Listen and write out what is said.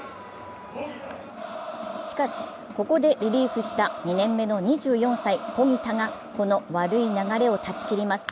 しかし、ここでリリーフした２年目の２４歳小木田がこの悪い流れを断ち切ります。